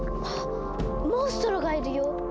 あっモンストロがいるよ！